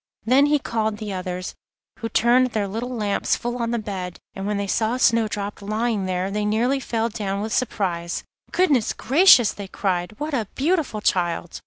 Then he called the others, who turned their little lamps full on the bed, and when they saw Snowdrop lying there they nearly fell down with surprise. 'Goodness gracious!' they cried, 'what a beautiful child!